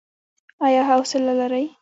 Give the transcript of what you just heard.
ایا حوصله لرئ؟